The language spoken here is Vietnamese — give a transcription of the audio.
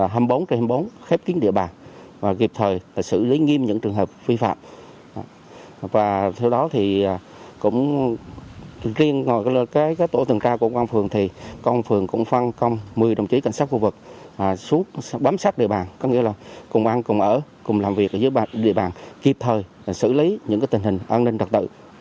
hãy đăng ký kênh để nhận thông tin nhất